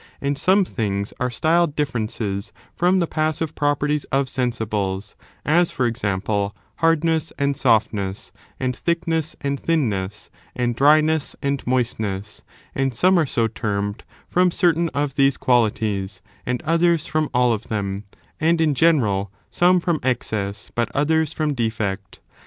And some things are styled differences from the passive properties of sensibles ; as, for example, hardness and softness, and thickness and thinness, and dryness and moistness : and some are so termed from certain of these qualities, and others from all of them ; and, in general, some from excess, but others from defect.